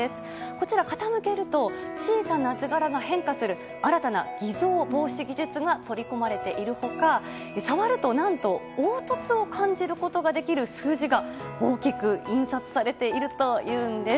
こちら傾けると小さな図柄が変化する新たな偽造防止技術が取り込まれている他触ると何と凹凸を感じることができる数字が大きく印刷されているというんです。